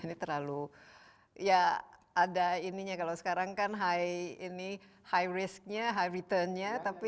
ini terlalu ya ada ininya kalau sekarang kan high ini high risknya high returnnya tapi